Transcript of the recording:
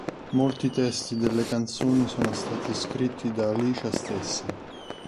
Molti testi delle canzoni sono stati scritti da Alicja stessa.